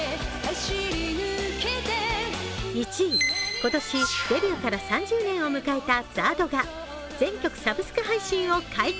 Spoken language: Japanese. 今年デビューから３０年を迎えたＺＡＲＤが全曲サブスク配信を解禁。